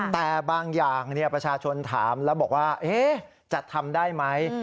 แต่บางอย่างประชาชนถามแล้วบอกว่าจะทำได้ไหม